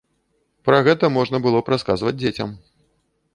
Пра гэта можна было б расказваць дзецям.